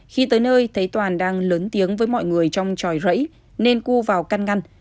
khi tới nơi thấy toàn đang lớn tiếng với mọi người trong tròi rẫy nên cưu vào căn ngăn